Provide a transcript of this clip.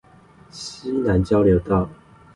溪南交流道